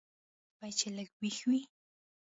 داسې سپی چې لږ وېښ وي.